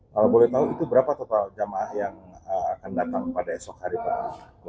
kalau boleh tahu itu berapa total jemaah yang akan datang pada esok hari pak